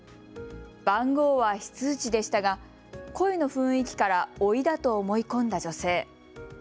番号は非通知でしたが声の雰囲気からおいだと思い込んだ女性。